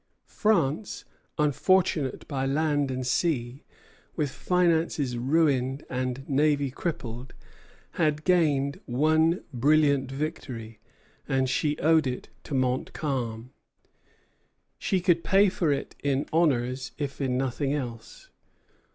France, unfortunate by land and sea, with finances ruined and navy crippled, had gained one brilliant victory, and she owed it to Montcalm. She could pay for it in honors, if in nothing else.